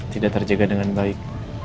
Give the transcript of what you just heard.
tidak terjaga dengan baik